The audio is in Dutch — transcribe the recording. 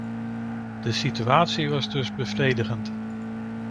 De situatie was dus bevredigend.